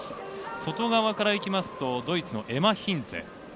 外側から行きますとドイツのエマ・ヒンツェ。